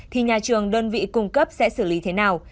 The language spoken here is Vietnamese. thì nhà trường đơn vị cung cấp sẽ xử lý thế nào